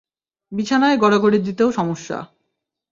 বিছানায় গড়াগড়ি দিতেও সমস্যা।